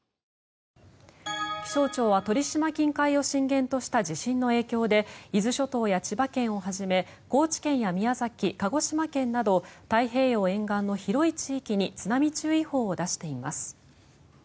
気象庁は鳥島近海を震源とした地震の影響で伊豆諸島や千葉県をはじめ高知県や宮崎、鹿児島県など太平洋沿岸の広い地域に津波注意報を出しています。